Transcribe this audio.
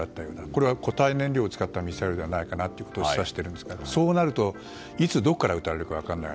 これは固体燃料を使ったミサイルということを示唆しているんですがそうなると、いつどこから撃たれるか分からない。